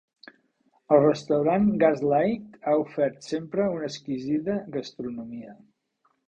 El restaurant Gaslight ha ofert sempre una exquisida gastronomia.